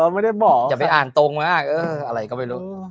ไม่ได้บอกอย่าไปอ่านตรงมากเอออะไรก็ไม่รู้